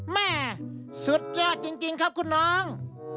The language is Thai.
แม่สุดยอดจริงครับคุณน้อง